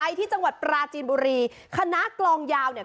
ที่จังหวัดปราจีนบุรีคณะกลองยาวเนี่ย